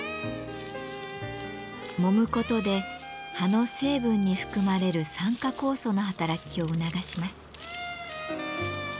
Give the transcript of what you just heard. もむことで葉の成分に含まれる酸化酵素の働きを促します。